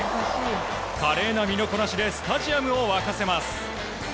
華麗な身のこなしでスタジアムを沸かせます。